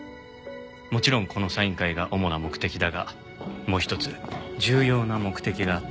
もちろんこのサイン会が主な目的だがもう一つ重要な目的があって。